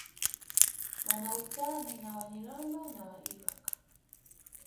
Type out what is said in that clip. Wana utani na Wanyiramba na Wairaqw